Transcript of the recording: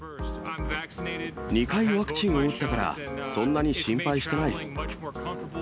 ２回ワクチンを打ったから、そんなに心配してない。